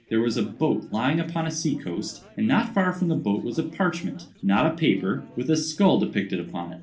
There was a boat lying upon a sea coast, and not far from the boat was a parchment—not a paper—with a skull depicted upon it.